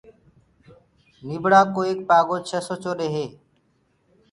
نيٚڀڙآ ڪو ايڪ پآڳو ڇي سو چوڏي هي